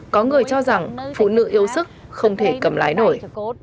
có người cho rằng phụ nữ yêu sức không thể cầm lái nổi